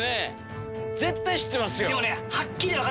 絶対知ってますよ。